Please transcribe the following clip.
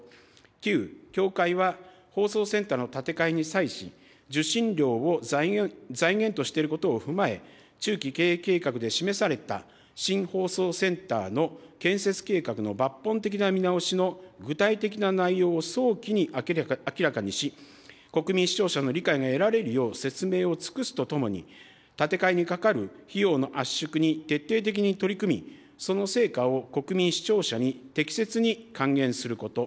９、協会は放送センターの建て替えに際し、受信料を財源としていることを踏まえ、中期経営計画で示された新放送センターの建設計画の抜本的な見直しの具体的な内容を早期に明らかにし、国民・視聴者の理解が得られるよう、説明を尽くすとともに、建て替えにかかる費用の圧縮に徹底的に取り組み、その成果を国民・視聴者に適切に還元すること。